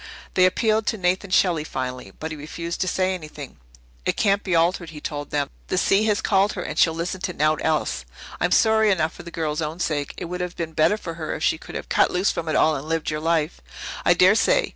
They appealed to Nathan Shelley finally, but he refused to say anything. "It can't be altered," he told them. "The sea has called her and she'll listen to naught else. I'm sorry enough for the girl's own sake. It would have been better for her if she could have cut loose from it all and lived your life, I dare say.